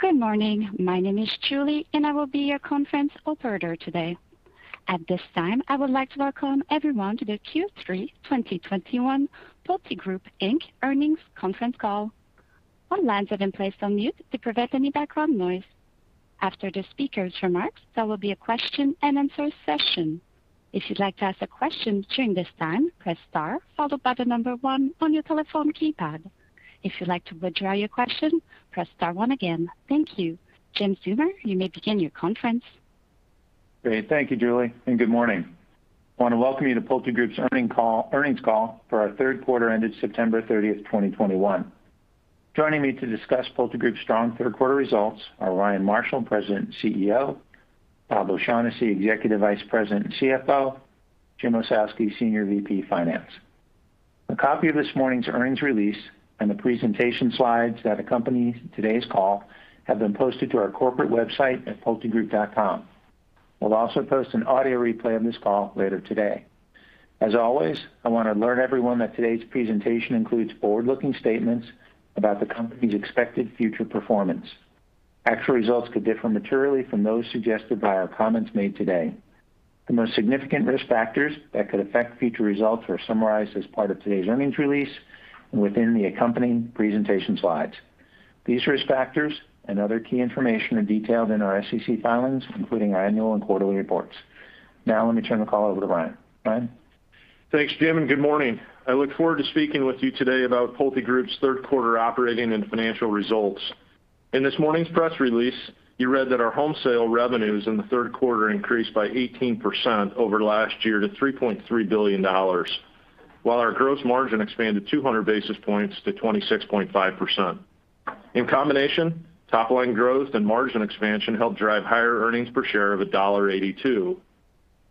Good morning. My name is Julie, and I will be your conference operator today. At this time, I would like to welcome everyone to the Q3 2021 PulteGroup, Inc. Earnings Conference Call. All lines have been placed on mute to prevent any background noise. After the speaker's remarks, there will be a question-and-answer session. If you'd like to ask a question during this time, press star followed by the number one on your telephone keypad. If you'd like to withdraw your question, press star one again. Thank you. Jim Zeumer, you may begin your conference. Great. Thank you, Julie, and good morning. I want to welcome you to PulteGroup's earnings call for our third quarter ended September 30, 2021. Joining me to discuss PulteGroup's strong third quarter results are Ryan Marshall, President and CEO, Bob O'Shaughnessy, Executive Vice President and CFO, James Ossowski, Senior VP, Finance. A copy of this morning's earnings release and the presentation slides that accompany today's call have been posted to our corporate website at pultegroup.com. We'll also post an audio replay of this call later today. As always, I want to alert everyone that today's presentation includes forward-looking statements about the company's expected future performance. Actual results could differ materially from those suggested by our comments made today. The most significant risk factors that could affect future results are summarized as part of today's earnings release and within the accompanying presentation slides. These risk factors and other key information are detailed in our SEC filings, including our annual and quarterly reports. Now, let me turn the call over to Ryan. Ryan? Thanks, Jim, and good morning. I look forward to speaking with you today about PulteGroup's third quarter operating and financial results. In this morning's press release, you read that our home sale revenues in the third quarter increased by 18% over last year to $3.3 billion, while our gross margin expanded 200 basis points to 26.5%. In combination, top-line growth and margin expansion helped drive higher earnings per share of $1.82.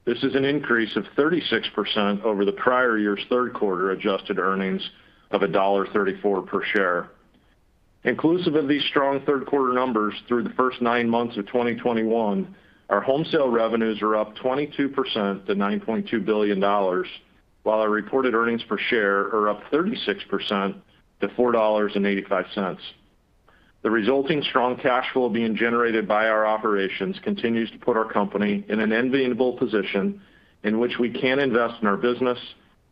This is an increase of 36% over the prior year's third quarter adjusted earnings of $1.34 per share. Inclusive of these strong third quarter numbers through the first nine months of 2021, our home sale revenues are up 22% to $9.2 billion, while our reported earnings per share are up 36% to $4.85. The resulting strong cash flow being generated by our operations continues to put our company in an enviable position in which we can invest in our business,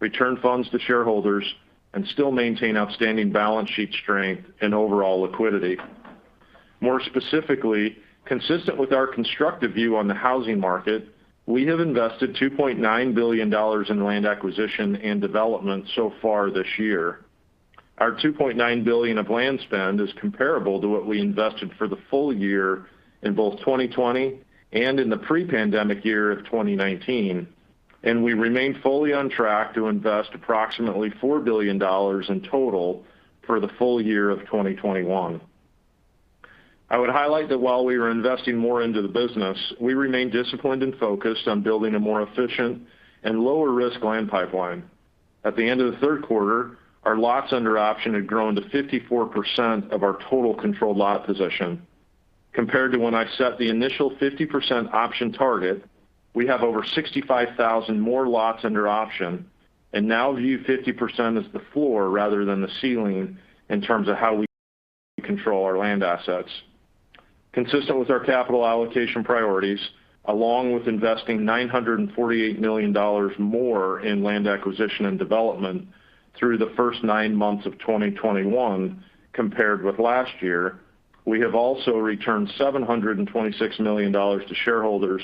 return funds to shareholders, and still maintain outstanding balance sheet strength and overall liquidity. More specifically, consistent with our constructive view on the housing market, we have invested $2.9 billion in land acquisition and development so far this year. Our $2.9 billion of land spend is comparable to what we invested for the full year in both 2020 and in the pre-pandemic year of 2019, and we remain fully on track to invest approximately $4 billion in total for the full year of 2021. I would highlight that while we are investing more into the business, we remain disciplined and focused on building a more efficient and lower-risk land pipeline. At the end of the third quarter, our lots under option had grown to 54% of our total controlled lot position. Compared to when I set the initial 50% option target, we have over 65,000 more lots under option and now view 50% as the floor rather than the ceiling in terms of how we control our land assets. Consistent with our capital allocation priorities, along with investing $948 million more in land acquisition and development through the first nine months of 2021 compared with last year, we have also returned $726 million to shareholders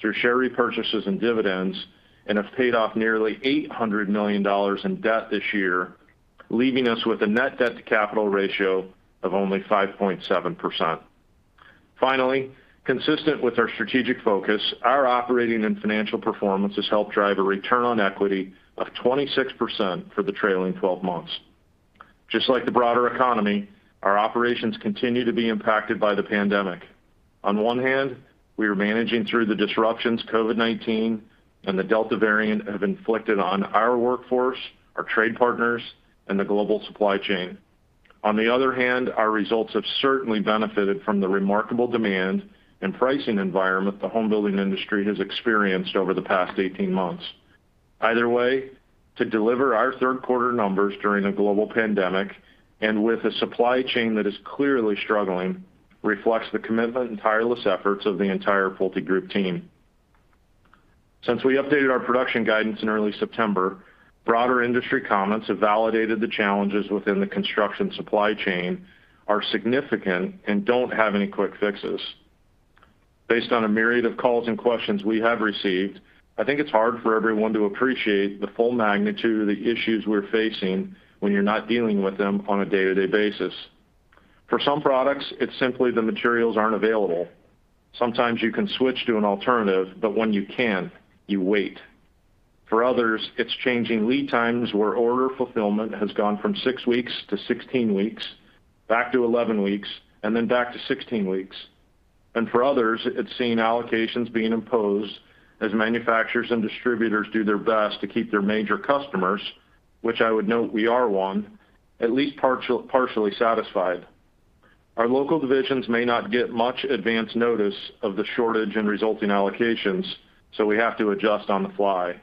through share repurchases and dividends and have paid off nearly $800 million in debt this year, leaving us with a net debt to capital ratio of only 5.7%. Finally, consistent with our strategic focus, our operating and financial performance has helped drive a return on equity of 26% for the trailing twelve months. Just like the broader economy, our operations continue to be impacted by the pandemic. On one hand, we are managing through the disruptions COVID-19 and the Delta variant have inflicted on our workforce, our trade partners, and the global supply chain. On the other hand, our results have certainly benefited from the remarkable demand and pricing environment the home building industry has experienced over the past 18 months. Either way, to deliver our third quarter numbers during a global pandemic and with a supply chain that is clearly struggling reflects the commitment and tireless efforts of the entire PulteGroup team. Since we updated our production guidance in early September, broader industry comments have validated the challenges within the construction supply chain are significant and don't have any quick fixes. Based on a myriad of calls and questions we have received, I think it's hard for everyone to appreciate the full magnitude of the issues we're facing when you're not dealing with them on a day-to-day basis. For some products, it's simply the materials aren't available. Sometimes you can switch to an alternative, but when you can't, you wait. For others, it's changing lead times where order fulfillment has gone from six weeks to 16 weeks, back to 11 weeks, and then back to 16 weeks. For others, it's seeing allocations being imposed as manufacturers and distributors do their best to keep their major customers, which I would note we are one, at least partially satisfied. Our local divisions may not get much advance notice of the shortage and resulting allocations, so we have to adjust on the fly.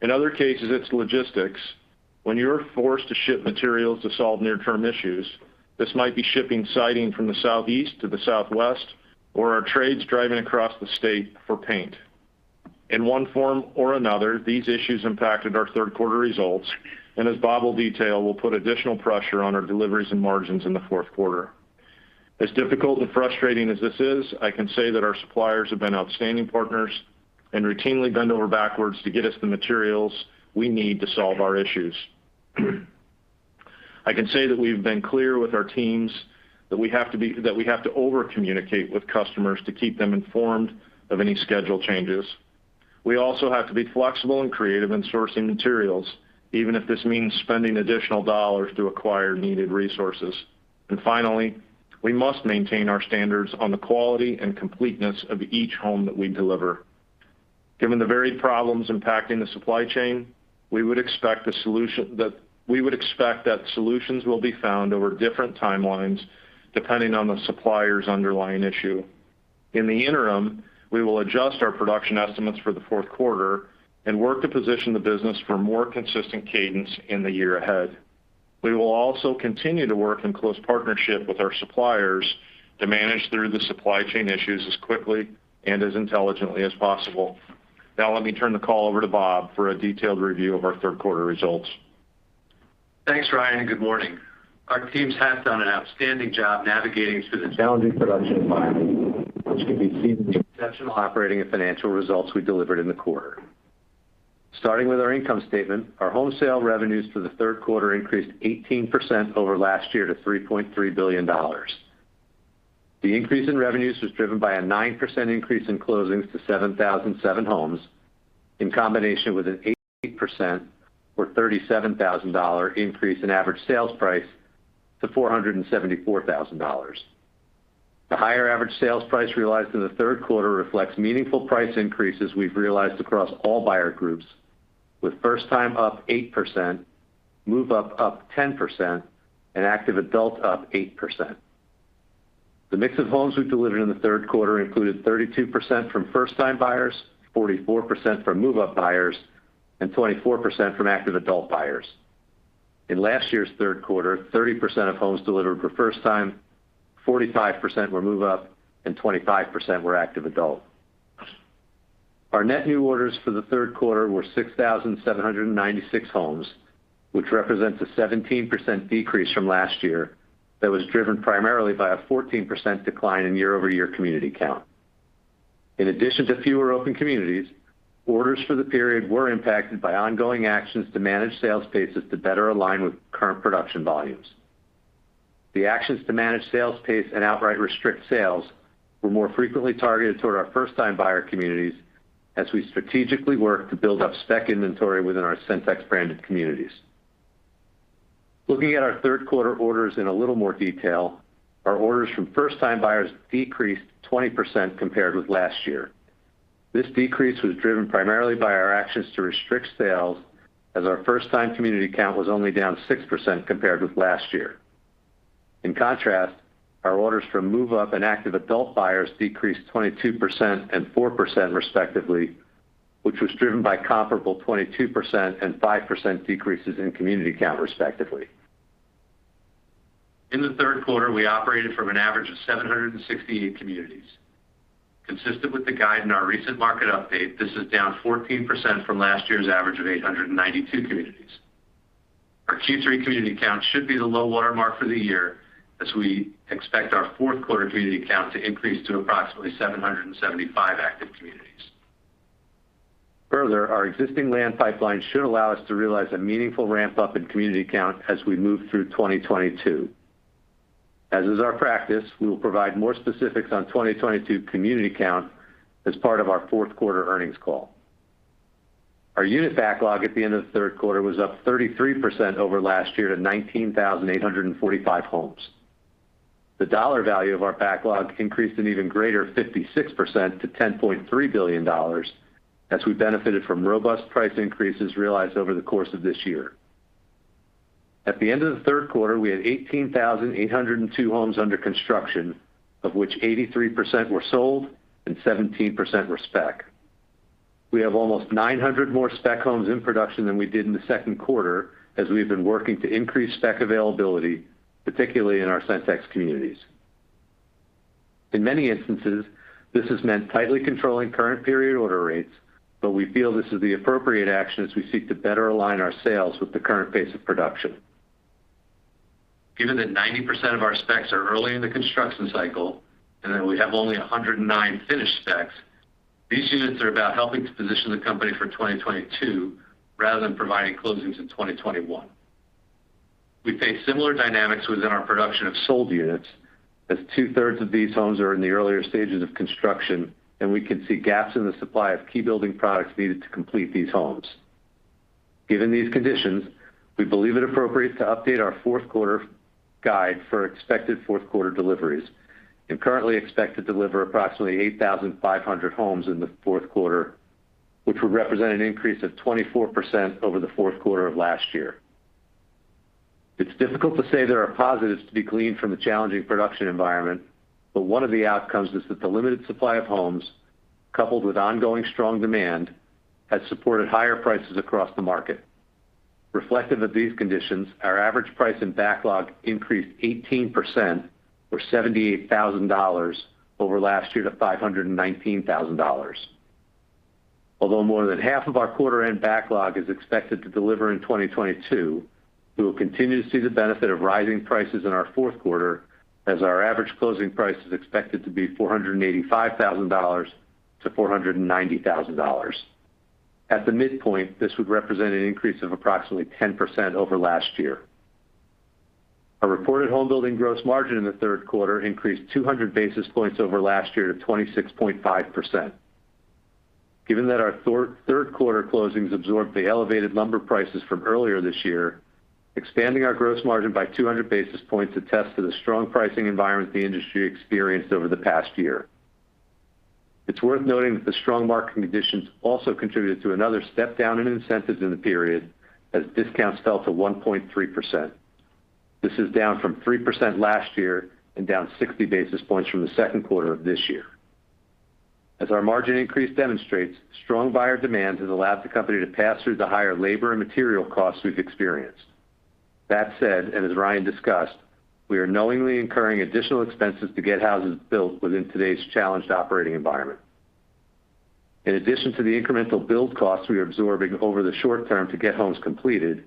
In other cases, it's logistics. When you're forced to ship materials to solve near-term issues, this might be shipping siding from the southeast to the southwest, or our trades driving across the state for paint. In one form or another, these issues impacted our third quarter results, and as Bob will detail, will put additional pressure on our deliveries and margins in the fourth quarter. As difficult and frustrating as this is, I can say that our suppliers have been outstanding partners and routinely bend over backwards to get us the materials we need to solve our issues. I can say that we've been clear with our teams that we have to over-communicate with customers to keep them informed of any schedule changes. We also have to be flexible and creative in sourcing materials, even if this means spending additional dollars to acquire needed resources. Finally, we must maintain our standards on the quality and completeness of each home that we deliver. Given the varied problems impacting the supply chain, we would expect that solutions will be found over different timelines depending on the supplier's underlying issue. In the interim, we will adjust our production estimates for the fourth quarter and work to position the business for more consistent cadence in the year ahead. We will also continue to work in close partnership with our suppliers to manage through the supply chain issues as quickly and as intelligently as possible. Now let me turn the call over to Bob for a detailed review of our third quarter results. Thanks, Ryan, and good morning. Our teams have done an outstanding job navigating through the challenging production environment, which can be seen in the exceptional operating and financial results we delivered in the quarter. Starting with our income statement, our home sale revenues for the third quarter increased 18% over last year to $3.3 billion. The increase in revenues was driven by a 9% increase in closings to 7,007 homes, in combination with an 18% or $37,000 increase in average sales price to $474,000. The higher average sales price realized in the third quarter reflects meaningful price increases we've realized across all buyer groups, with first-time up 8%, move-up 10%, and active adult up 8%. The mix of homes we delivered in the third quarter included 32% from first-time buyers, 44% from move-up buyers, and 24% from active adult buyers. In last year's third quarter, 30% of homes delivered were first-time, 45% were move-up, and 25% were active adult. Our net new orders for the third quarter were 6,796 homes, which represents a 17% decrease from last year that was driven primarily by a 14% decline in year-over-year community count. In addition to fewer open communities, orders for the period were impacted by ongoing actions to manage sales paces to better align with current production volumes. The actions to manage sales pace and outright restrict sales were more frequently targeted toward our first-time buyer communities as we strategically work to build up spec inventory within our Centex branded communities. Looking at our third quarter orders in a little more detail, our orders from first-time buyers decreased 20% compared with last year. This decrease was driven primarily by our actions to restrict sales as our first-time community count was only down 6% compared with last year. In contrast, our orders from move-up and active adult buyers decreased 22% and 4% respectively, which was driven by comparable 22% and 5% decreases in community count, respectively. In the third quarter, we operated from an average of 768 communities. Consistent with the guide in our recent market update, this is down 14% from last year's average of 892 communities. Our Q3 community count should be the low water mark for the year as we expect our fourth quarter community count to increase to approximately 775 active communities. Further, our existing land pipeline should allow us to realize a meaningful ramp-up in community count as we move through 2022. As is our practice, we will provide more specifics on 2022 community count as part of our fourth quarter earnings call. Our unit backlog at the end of the third quarter was up 33% over last year to 19,845 homes. The dollar value of our backlog increased an even greater 56% to $10.3 billion as we benefited from robust price increases realized over the course of this year. At the end of the third quarter, we had 18,802 homes under construction, of which 83% were sold and 17% were spec. We have almost 900 more spec homes in production than we did in the second quarter as we've been working to increase spec availability, particularly in our Centex communities. In many instances, this has meant tightly controlling current period order rates, but we feel this is the appropriate action as we seek to better align our sales with the current pace of production. Given that 90% of our specs are early in the construction cycle and that we have only 109 finished specs, these units are about helping to position the company for 2022 rather than providing closings in 2021. We face similar dynamics within our production of sold units, as two-thirds of these homes are in the earlier stages of construction, and we can see gaps in the supply of key building products needed to complete these homes. Given these conditions, we believe it appropriate to update our fourth quarter guide for expected fourth quarter deliveries and currently expect to deliver approximately 8,500 homes in the fourth quarter, which would represent an increase of 24% over the fourth quarter of last year. It's difficult to say there are positives to be gleaned from the challenging production environment, but one of the outcomes is that the limited supply of homes, coupled with ongoing strong demand, has supported higher prices across the market. Reflective of these conditions, our average price in backlog increased 18% or $78,000 over last year to $519,000. Although more than half of our quarter-end backlog is expected to deliver in 2022, we will continue to see the benefit of rising prices in our fourth quarter as our average closing price is expected to be $485,000-$490,000. At the midpoint, this would represent an increase of approximately 10% over last year. Our reported home building gross margin in the third quarter increased 200 basis points over last year to 26.5%. Given that our third quarter closings absorbed the elevated lumber prices from earlier this year, expanding our gross margin by 200 basis points attests to the strong pricing environment the industry experienced over the past year. It's worth noting that the strong market conditions also contributed to another step down in incentives in the period as discounts fell to 1.3%. This is down from 3% last year and down 60 basis points from the second quarter of this year. As our margin increase demonstrates, strong buyer demand has allowed the company to pass through the higher labor and material costs we've experienced. That said, and as Ryan discussed, we are knowingly incurring additional expenses to get houses built within today's challenged operating environment. In addition to the incremental build costs we are absorbing over the short term to get homes completed,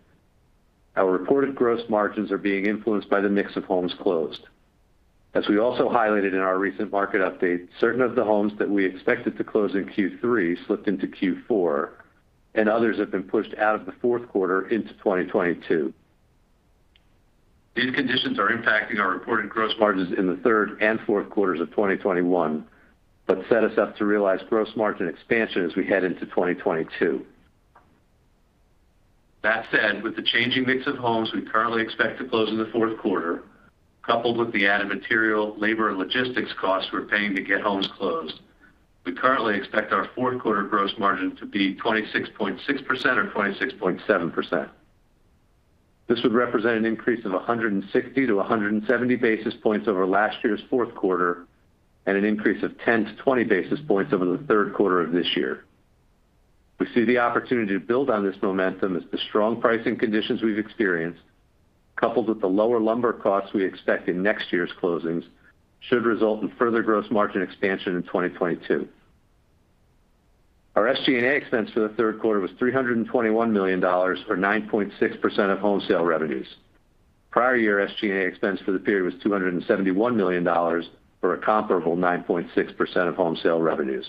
our reported gross margins are being influenced by the mix of homes closed. As we also highlighted in our recent market update, certain of the homes that we expected to close in Q3 slipped into Q4, and others have been pushed out of the fourth quarter into 2022. These conditions are impacting our reported gross margins in the third and fourth quarters of 2021, but set us up to realize gross margin expansion as we head into 2022. That said, with the changing mix of homes we currently expect to close in the fourth quarter, coupled with the added material, labor, and logistics costs we're paying to get homes closed, we currently expect our fourth quarter gross margin to be 26.6% or 26.7%. This would represent an increase of 160-170 basis points over last year's fourth quarter and an increase of 10-20 basis points over the third quarter of this year. We see the opportunity to build on this momentum as the strong pricing conditions we've experienced, coupled with the lower lumber costs we expect in next year's closings, should result in further gross margin expansion in 2022. Our SG&A expense for the third quarter was $321 million or 9.6% of home sale revenues. Prior year SG&A expense for the period was $271 million, or a comparable 9.6% of home sale revenues.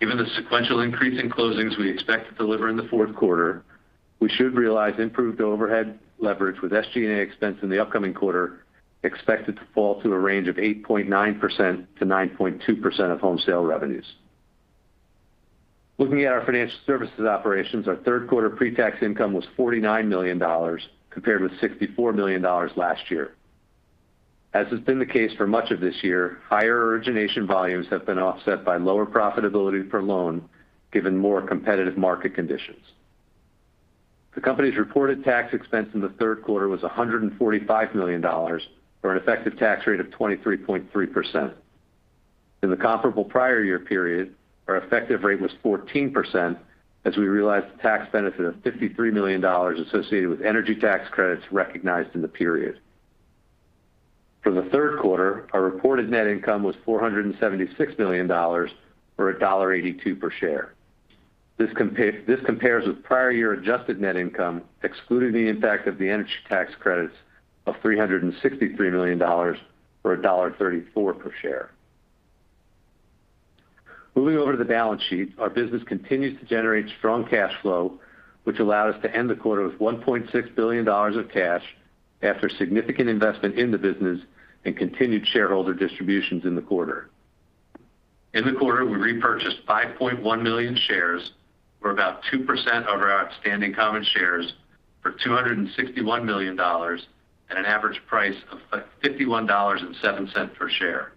Given the sequential increase in closings we expect to deliver in the fourth quarter, we should realize improved overhead leverage with SG&A expense in the upcoming quarter expected to fall to a range of 8.9%-9.2% of home sale revenues. Looking at our financial services operations, our third quarter pre-tax income was $49 million, compared with $64 million last year. As has been the case for much of this year, higher origination volumes have been offset by lower profitability per loan given more competitive market conditions. The company's reported tax expense in the third quarter was $145 million or an effective tax rate of 23.3%. In the comparable prior year period, our effective rate was 14% as we realized the tax benefit of $53 million associated with energy tax credits recognized in the period. For the third quarter, our reported net income was $476 million or $1.82 per share. This compares with prior year adjusted net income, excluding the impact of the energy tax credits of $363 million or $1.34 per share. Moving over to the balance sheet, our business continues to generate strong cash flow, which allowed us to end the quarter with $1.6 billion of cash after significant investment in the business and continued shareholder distributions in the quarter. In the quarter, we repurchased 5.1 million shares, or about 2% of our outstanding common shares for $261 million at an average price of $51.07 per share.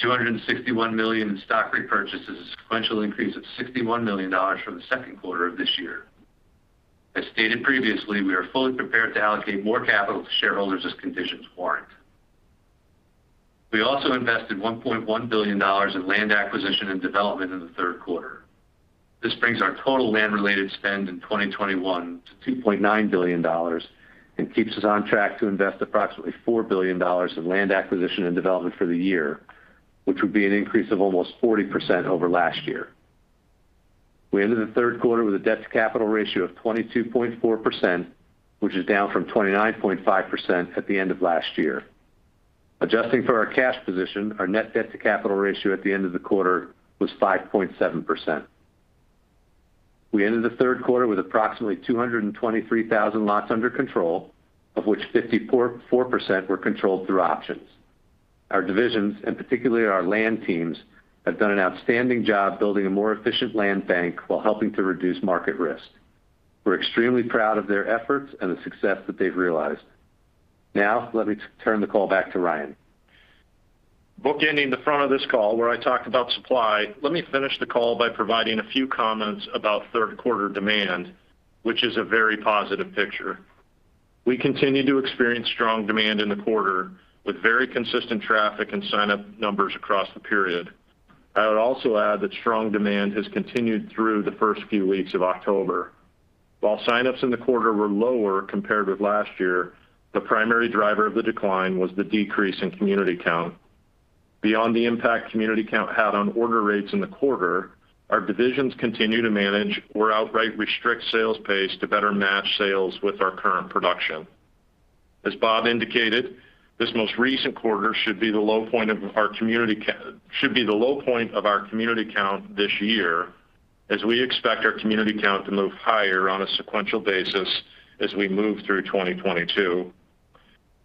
The $261 million in stock repurchases is a sequential increase of $61 million from the second quarter of this year. As stated previously, we are fully prepared to allocate more capital to shareholders as conditions warrant. We also invested $1.1 billion in land acquisition and development in the third quarter. This brings our total land-related spend in 2021 to $2.9 billion and keeps us on track to invest approximately $4 billion in land acquisition and development for the year, which would be an increase of almost 40% over last year. We ended the third quarter with a debt-to-capital ratio of 22.4%, which is down from 29.5% at the end of last year. Adjusting for our cash position, our net debt-to-capital ratio at the end of the quarter was 5.7%. We ended the third quarter with approximately 223,000 lots under control, of which 54.4% were controlled through options. Our divisions, and particularly our land teams, have done an outstanding job building a more efficient land bank while helping to reduce market risk. We're extremely proud of their efforts and the success that they've realized. Now let me turn the call back to Ryan. Bookending the front of this call where I talked about supply, let me finish the call by providing a few comments about third quarter demand, which is a very positive picture. We continue to experience strong demand in the quarter with very consistent traffic and sign-up numbers across the period. I would also add that strong demand has continued through the first few weeks of October. While sign-ups in the quarter were lower compared with last year, the primary driver of the decline was the decrease in community count. Beyond the impact community count had on order rates in the quarter, our divisions continue to manage or outright restrict sales pace to better match sales with our current production. As Bob indicated, this most recent quarter should be the low point of our community count this year, as we expect our community count to move higher on a sequential basis as we move through 2022.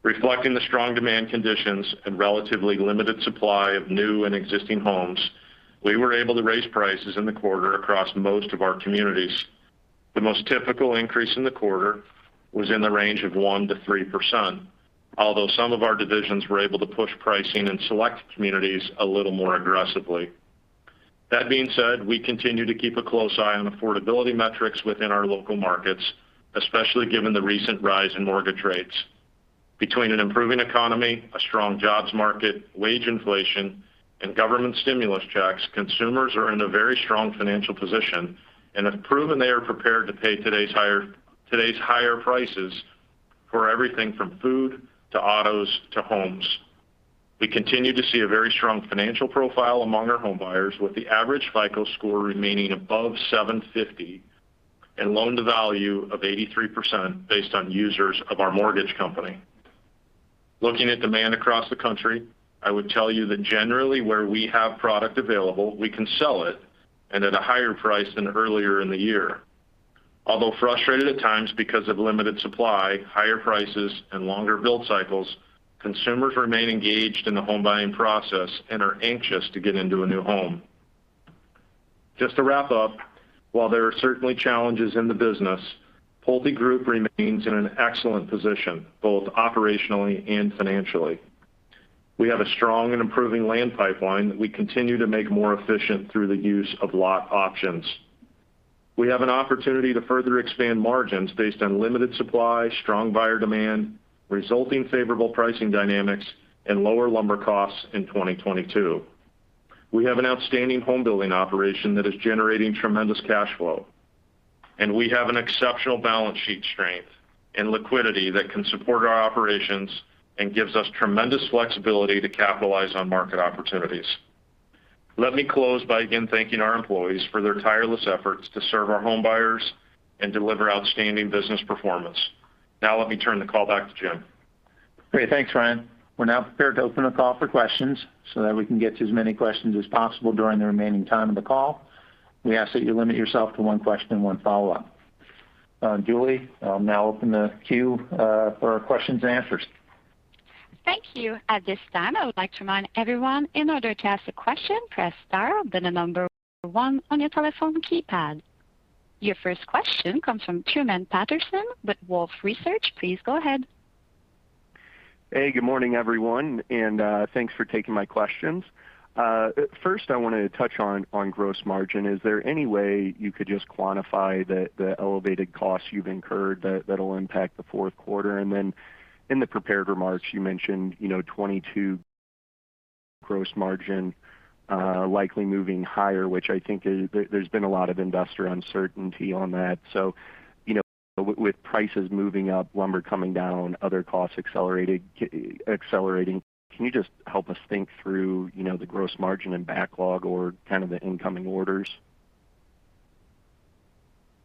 Reflecting the strong demand conditions and relatively limited supply of new and existing homes, we were able to raise prices in the quarter across most of our communities. The most typical increase in the quarter was in the range of 1%-3%, although some of our divisions were able to push pricing in select communities a little more aggressively. That being said, we continue to keep a close eye on affordability metrics within our local markets, especially given the recent rise in mortgage rates. Between an improving economy, a strong jobs market, wage inflation, and government stimulus checks, consumers are in a very strong financial position and have proven they are prepared to pay today's higher prices for everything from food to autos to homes. We continue to see a very strong financial profile among our home buyers, with the average FICO score remaining above 750 and loan-to-value of 83% based on users of our mortgage company. Looking at demand across the country, I would tell you that generally where we have product available, we can sell it, and at a higher price than earlier in the year. Although frustrated at times because of limited supply, higher prices, and longer build cycles, consumers remain engaged in the home buying process and are anxious to get into a new home. Just to wrap up, while there are certainly challenges in the business, PulteGroup remains in an excellent position, both operationally and financially. We have a strong and improving land pipeline that we continue to make more efficient through the use of lot options. We have an opportunity to further expand margins based on limited supply, strong buyer demand, resulting favorable pricing dynamics, and lower lumber costs in 2022. We have an outstanding home building operation that is generating tremendous cash flow. We have an exceptional balance sheet strength and liquidity that can support our operations and gives us tremendous flexibility to capitalize on market opportunities. Let me close by again thanking our employees for their tireless efforts to serve our home buyers and deliver outstanding business performance. Now let me turn the call back to Jim. Great. Thanks, Ryan. We're now prepared to open the call for questions so that we can get to as many questions as possible during the remaining time of the call. We ask that you limit yourself to one question and one follow-up. Julie, I'll now open the queue for our questions and answers. Thank you. At this time, I would like to remind everyone, in order to ask a question, press star, then the number one on your telephone keypad. Your first question comes from Truman Patterson with Wolfe Research. Please go ahead. Hey, good morning, everyone, and thanks for taking my questions. First, I wanted to touch on gross margin. Is there any way you could just quantify the elevated costs you've incurred that that'll impact the fourth quarter? In the prepared remarks, you mentioned, you know, 2022 gross margin likely moving higher, which I think there's been a lot of investor uncertainty on that. You know, with prices moving up, lumber coming down, other costs accelerating, can you just help us think through, you know, the gross margin and backlog or kind of the incoming orders?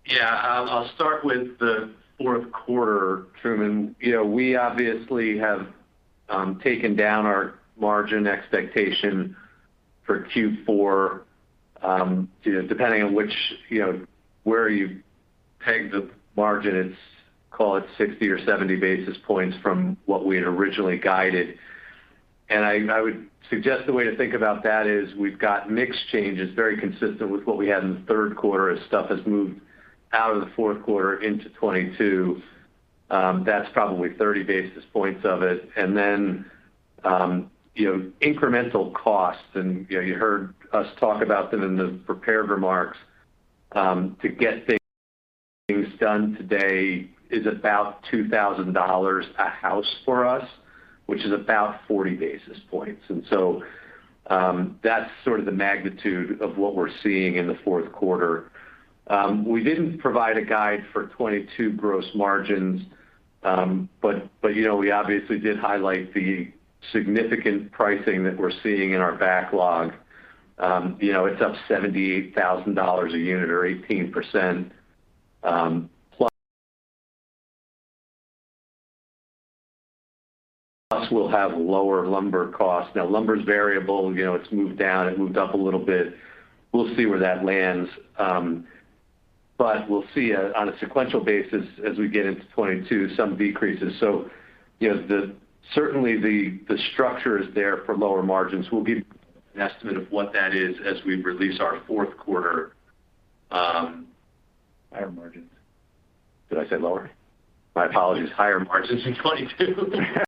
Yeah. I'll start with the fourth quarter, Truman. You know, we obviously have taken down our margin expectation for Q4, you know, depending on which, you know, where you peg the margin, it's call it 60 or 70 basis points from what we had originally guided. I would suggest the way to think about that is we've got mix changes very consistent with what we had in the third quarter as stuff has moved out of the fourth quarter into 2022. That's probably 30 basis points of it. You know, incremental costs, you know, you heard us talk about them in the prepared remarks, to get things done today is about $2000 a house for us, which is about 40 basis points. That's sort of the magnitude of what we're seeing in the fourth quarter. We didn't provide a guide for 2022 gross margins, but you know, we obviously did highlight the significant pricing that we're seeing in our backlog. You know, it's up $78,000 a unit or 18%, plus we'll have lower lumber costs. Now lumber's variable. You know, it's moved down, it moved up a little bit. We'll see where that lands. But we'll see, on a sequential basis as we get into 2022, some decreases. You know, certainly the structure is there for lower margins. We'll give an estimate of what that is as we release our fourth quarter. Higher margins. Did I say lower? My apologies. Higher margins in 2022.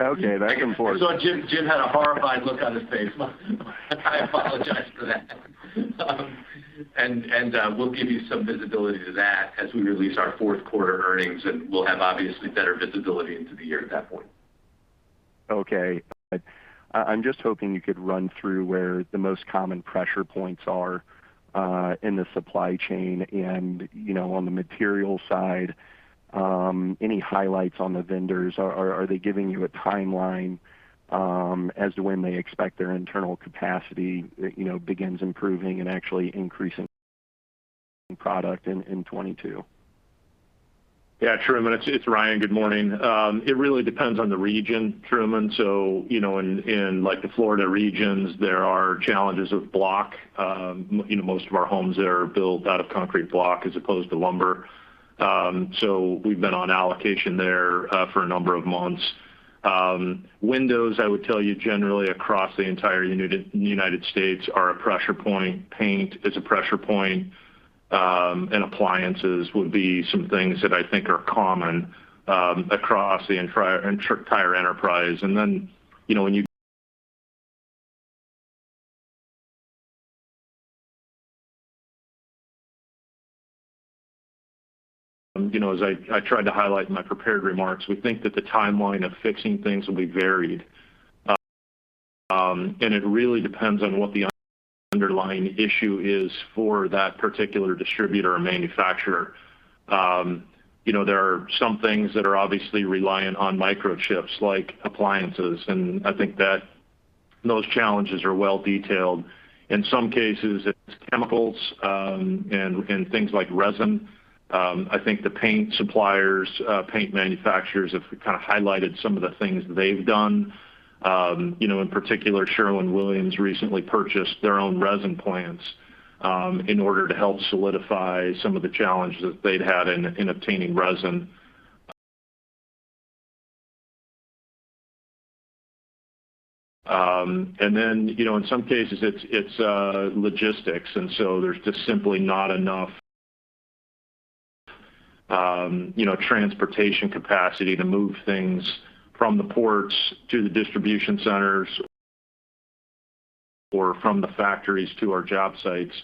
Okay, back and forth. Jim had a horrified look on his face. I apologize for that. We'll give you some visibility to that as we release our fourth quarter earnings, and we'll have obviously better visibility into the year at that point. Okay. I'm just hoping you could run through where the most common pressure points are in the supply chain and, you know, on the material side, any highlights on the vendors. Are they giving you a timeline as to when they expect their internal capacity, you know, begins improving and actually increasing product in 2022? Yeah. Truman, it's Ryan. Good morning. It really depends on the region, Truman. You know, in like the Florida regions, there are challenges of block. You know, most of our homes there are built out of concrete block as opposed to lumber. We've been on allocation there for a number of months. Windows, I would tell you generally across the entire United States are a pressure point. Paint is a pressure point. Appliances would be some things that I think are common across the entire enterprise. You know, as I tried to highlight in my prepared remarks, we think that the timeline of fixing things will be varied. It really depends on what the underlying issue is for that particular distributor or manufacturer. You know, there are some things that are obviously reliant on microchips like appliances, and I think that those challenges are well detailed. In some cases, it's chemicals, and things like resin. I think the paint suppliers, paint manufacturers have kind of highlighted some of the things they've done. You know, in particular, Sherwin-Williams recently purchased their own resin plants, in order to help solidify some of the challenges that they'd had in obtaining resin. You know, in some cases, it's logistics, and so there's just simply not enough transportation capacity to move things from the ports to the distribution centers or from the factories to our job sites.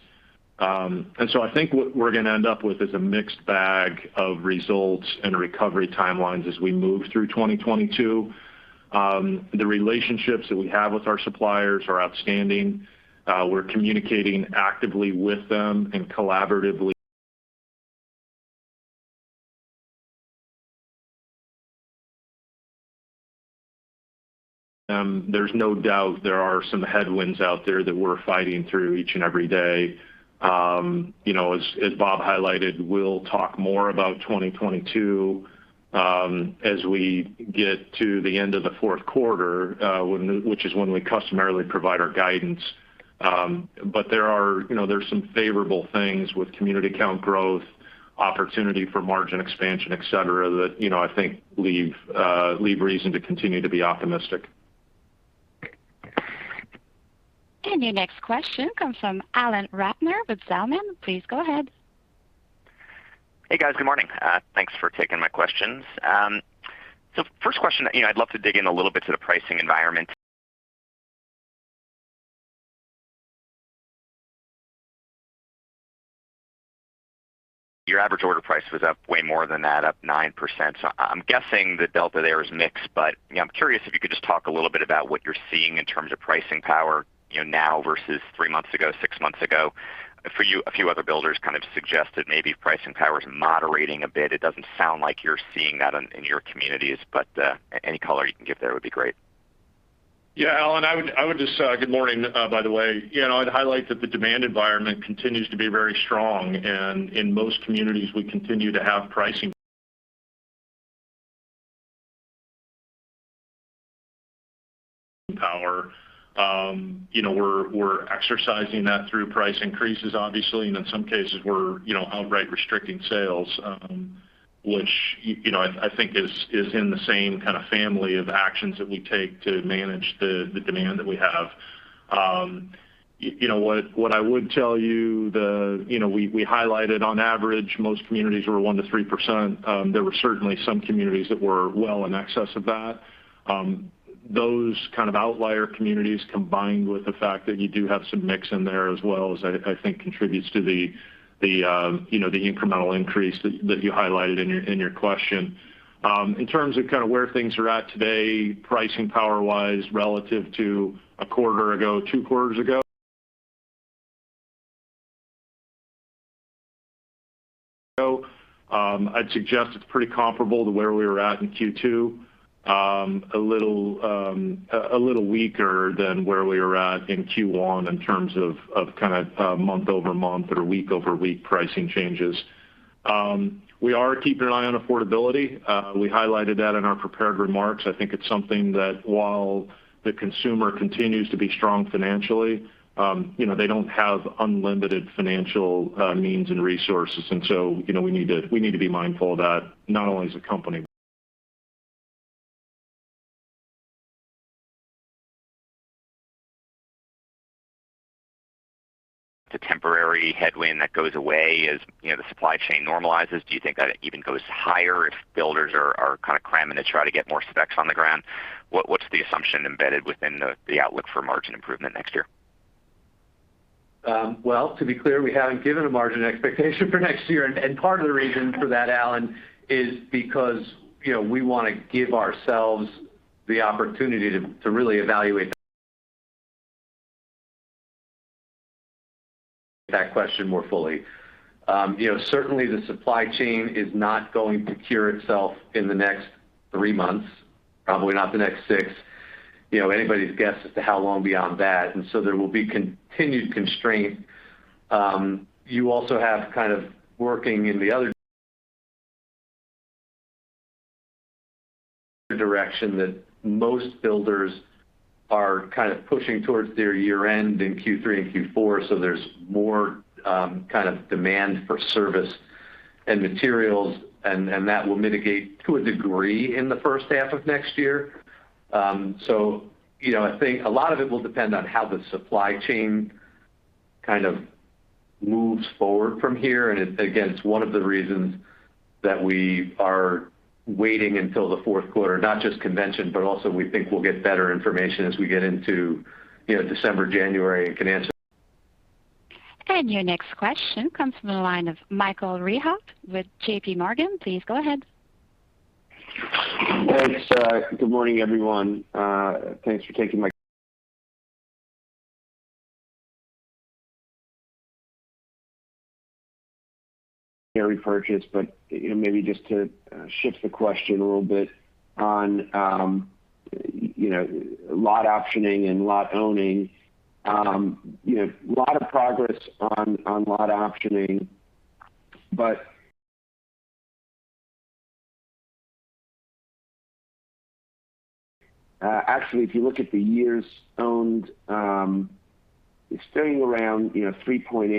I think what we're gonna end up with is a mixed bag of results and recovery timelines as we move through 2022. The relationships that we have with our suppliers are outstanding. We're communicating actively with them and collaboratively. There's no doubt there are some headwinds out there that we're fighting through each and every day. You know, as Bob highlighted, we'll talk more about 2022 as we get to the end of the fourth quarter, when we customarily provide our guidance. There are, you know, there's some favorable things with community count growth, opportunity for margin expansion, et cetera, that, you know, I think leave reason to continue to be optimistic. Your next question comes from Alan Ratner with Zelman. Please go ahead. Hey, guys. Good morning. Thanks for taking my questions. First question, you know, I'd love to dig in a little bit to the pricing environment. Your average order price was up way more than that, up 9%. I'm guessing the delta there is mixed, but, you know, I'm curious if you could just talk a little bit about what you're seeing in terms of pricing power, you know, now versus three months ago, six months ago. For you, a few other builders kind of suggested maybe pricing power is moderating a bit. It doesn't sound like you're seeing that in your communities, but, any color you can give there would be great. Yeah. Alan, I would just. Good morning, by the way. You know, I'd highlight that the demand environment continues to be very strong, and in most communities, we continue to have pricing power. You know, we're exercising that through price increases obviously and in some cases we're you know outright restricting sales, which you know I think is in the same kind of family of actions that we take to manage the demand that we have. You know what I would tell you. You know, we highlighted on average most communities were 1%-3%. There were certainly some communities that were well in excess of that. Those kind of outlier communities combined with the fact that you do have some mix in there as well is, I think, you know, the incremental increase that you highlighted in your question. In terms of kind of where things are at today, pricing power-wise relative to a quarter ago, two quarters ago, I'd suggest it's pretty comparable to where we were at in Q2. A little weaker than where we were at in Q1 in terms of kind of month-over-month or week-over-week pricing changes. We are keeping an eye on affordability. We highlighted that in our prepared remarks. I think it's something that while the consumer continues to be strong financially, you know, they don't have unlimited financial means and resources. You know, we need to be mindful of that, not only as a company The temporary headwind that goes away as, you know, the supply chain normalizes. Do you think that even goes higher if builders are kind of cramming to try to get more specs on the ground? What's the assumption embedded within the outlook for margin improvement next year? To be clear, we haven't given a margin expectation for next year. Part of the reason for that, Alan, is because, you know, we wanna give ourselves the opportunity to really evaluate that question more fully. You know, certainly the supply chain is not going to cure itself in the next three months, probably not the next six. You know, anybody's guess as to how long beyond that. There will be continued constraint. You also have kind of working in the other direction that most builders are kind of pushing towards their year-end in Q3 and Q4, so there's more kind of demand for service and materials and that will mitigate to a degree in the first half of next year. You know, I think a lot of it will depend on how the supply chain kind of moves forward from here. Again, it's one of the reasons that we are waiting until the fourth quarter, not just convention, but also we think we'll get better information as we get into, you know, December, January, and can answer. Your next question comes from the line of Michael Rehaut with JPMorgan. Please go ahead. Thanks. Good morning, everyone. Thanks for taking my question on repurchase, but, you know, maybe just to shift the question a little bit on, you know, lot optioning and lot owning. You know, lot of progress on lot optioning, but. Actually, if you look at the years owned, it's staying around, you know, 3.8,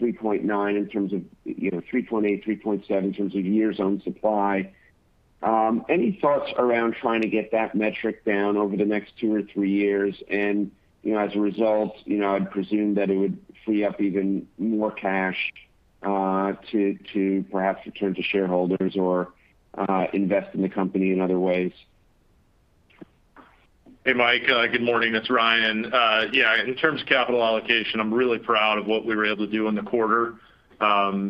3.9 in terms of, you know, 3.8, 3.7 in terms of years owned supply. Any thoughts around trying to get that metric down over the next two or three years? You know, as a result, you know, I'd presume that it would free up even more cash to perhaps return to shareholders or invest in the company in other ways. Hey, Mike. Good morning. It's Ryan. In terms of capital allocation, I'm really proud of what we were able to do in the quarter.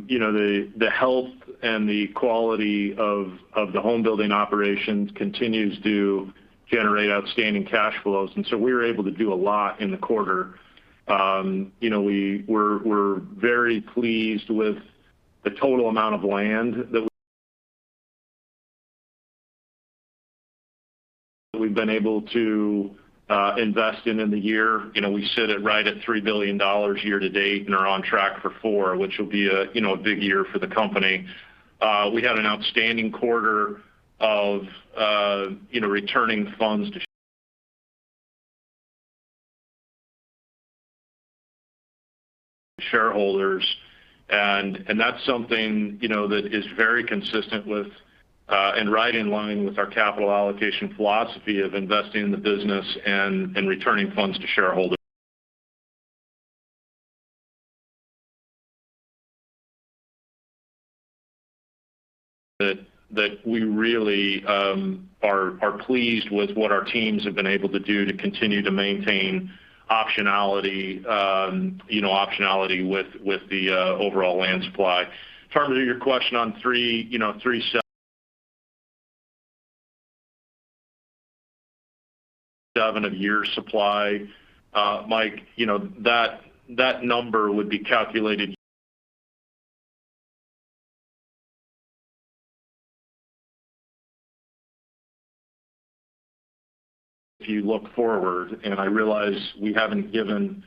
You know, the health and the quality of the home building operations continues to generate outstanding cash flows, and so we were able to do a lot in the quarter. You know, we're very pleased with the total amount of land that we've been able to invest in the year. You know, we sit at right at $3 billion year to date and are on track for $4 billion, which will be a big year for the company. We had an outstanding quarter of returning funds to shareholders. That's something, you know, that is very consistent with and right in line with our capital allocation philosophy of investing in the business and returning funds to shareholders. That we really are pleased with what our teams have been able to do to continue to maintain optionality, you know, optionality with the overall land supply. As far as your question on 3.7 years of supply, Mike, you know, that number would be calculated if you look forward, and I realize we haven't given,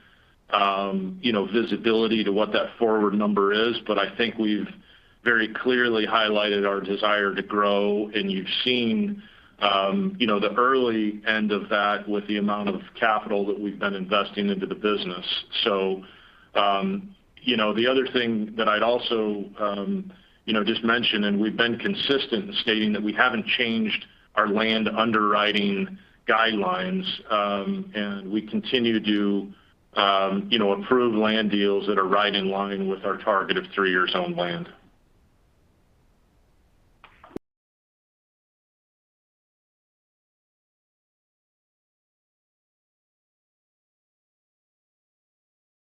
you know, visibility to what that forward number is. I think we've very clearly highlighted our desire to grow, and you've seen, you know, the early end of that with the amount of capital that we've been investing into the business. you know, the other thing that I'd also, you know, just mention, and we've been consistent in stating that we haven't changed our land underwriting guidelines. We continue to, you know, approve land deals that are right in line with our target of three-year zoned land.